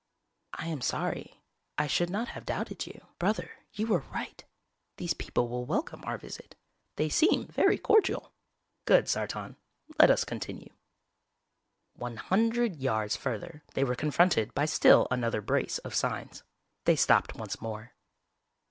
"_I am sorry, I should not have doubted you, Brother. You were right. These people will welcome our visit. They seem very cordial._" "Good, Sartan. Let us continue." One hundred yards further they were confronted by still another brace of signs. They stopped once more.